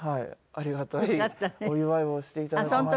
ありがたいお祝いをして頂きました。